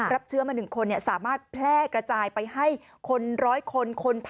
รับเชื้อมา๑คนสามารถแพร่กระจายไปให้คน๑๐๐คน